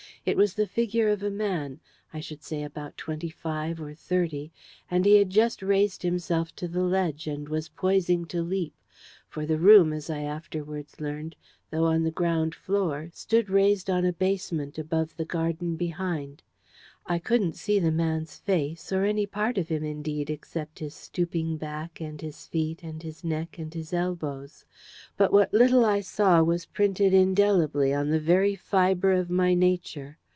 It was the figure of a man, I should say about twenty five or thirty: he had just raised himself to the ledge, and was poising to leap; for the room, as I afterwards learned, though on the ground floor, stood raised on a basement above the garden behind. I couldn't see the man's face, or any part of him, indeed, except his stooping back, and his feet, and his neck, and his elbows. But what little I saw was printed indelibly on the very fibre of my nature.